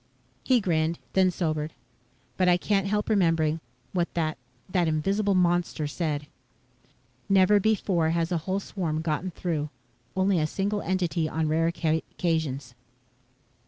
He grinned, then sobered. "But I can't help remembering what that that invisible monster said: '_Never before has a whole swarm gotten through. Only a single entity on rare occasions.